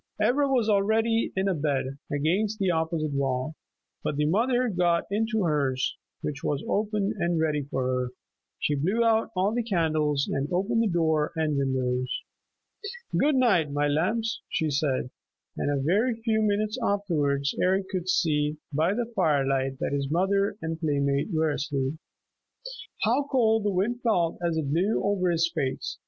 Ivra was already in a bed against the opposite wall. Before the mother got into hers, which was open and ready for her, she blew out all the candles and opened the door and windows. "Good night, my lambs," she said, and a very few minutes afterwards Eric could see by the firelight that his mother and playmate were asleep. How cold the wind felt as it blew over his face!